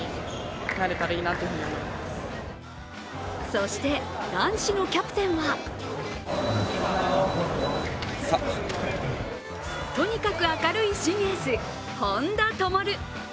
そして、男子のキャプテンはとにかく明るい新エース・本多灯。